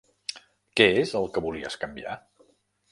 Què és el que volies canviar?